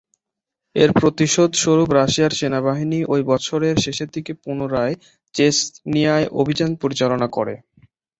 এর প্রতিশোধ স্বরূপ রাশিয়ার সেনাবাহিনী ঐ বছরের শেষের দিকে পুনরায় চেচনিয়ায় অভিযান পরিচালনা করে।